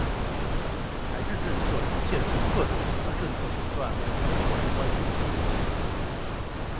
财政政策是借助各种政策手段来调节宏观经济活动的。